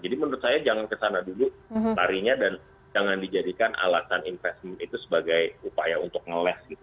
jadi menurut saya jangan ke sana dulu tarinya dan jangan dijadikan alasan investment itu sebagai upaya untuk nge less gitu